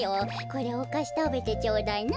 これおかしたべてちょうだいな。